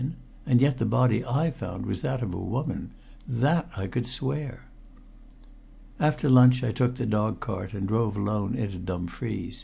And yet the body I found was that of a woman that I could swear. After lunch I took the dog cart and drove alone into Dumfries.